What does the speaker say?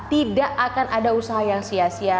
tidak akan ada usaha yang sia sia